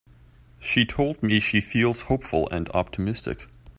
She told me she feels hopeful and optimistic.